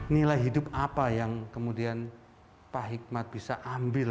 nilai hidup apa yang kemudian pak hikmat bisa ambil